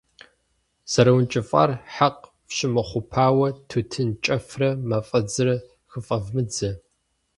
ЗэрыункӀыфӀар хьэкъ фщымыхъупауэ тутын кӀэфрэ мафӀэдзрэ хыфӀэвмыдзэ.